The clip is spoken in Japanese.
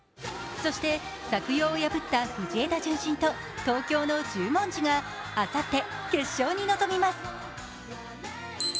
そして作陽を破った藤枝順心と東京の十文字があさって、決勝に臨みます。